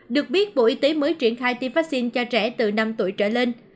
được biết bộ y tế mới triển khai tiêm vaccine cho trẻ từ năm tuổi trở lên